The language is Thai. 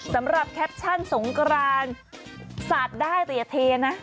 สำหรับแคปชั่นสงกรานสาดได้ตัวอย่าเทนะ